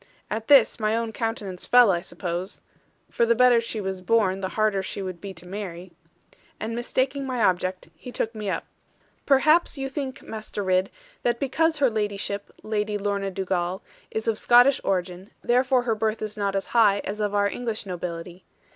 At this my own countenance fell, I suppose, for the better she was born, the harder she would be to marry and mistaking my object, he took me up: 'Perhaps you think, Master Ridd, that because her ladyship, Lady Lorna Dugal, is of Scottish origin, therefore her birth is not as high as of our English nobility.